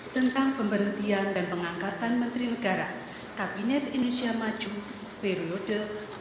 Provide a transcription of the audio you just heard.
tentang pemberhentian dan pengangkatan menteri negara kabinet indonesia maju periode dua ribu sembilan belas dua ribu dua puluh empat